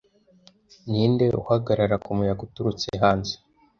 ninde uhagarara kumuyaga uturutse hanze